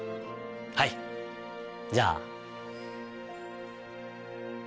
はいじゃあ。